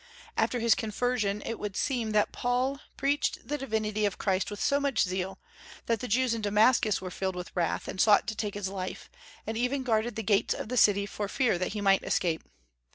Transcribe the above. After his conversion it would seem that Saul preached the divinity of Christ with so much zeal that the Jews in Damascus were filled with wrath, and sought to take his life, and even guarded the gates of the city for fear that he might escape.